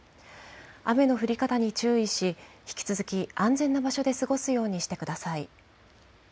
雨の降り方に注意し、引き続き、安全な場所で過ごすようにしてください。